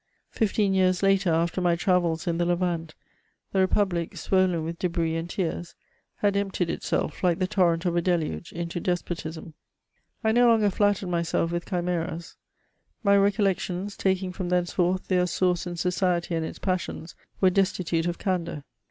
Fifteen years later, after my travels in the Levant, the Republic, swollen with debris and tears, had emptied itself, like the torrent of a deluge, into despotbm. I no longer flattered myself with chimeras ; my recollections, taking from thenceforth their source in society and its passions, were destitute of candour.